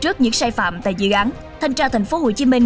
trước những sai phạm tại dự án thành trang thành phố hồ chí minh